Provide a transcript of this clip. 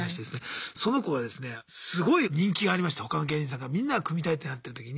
その子がですねすごい人気がありまして他の芸人さんからみんなが組みたいってなってる時に。